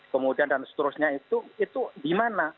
kemudian dan seterusnya itu itu di mana